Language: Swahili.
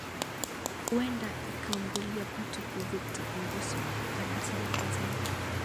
uenda ikaambulia patupu victor ambuso ana taarifa zaidi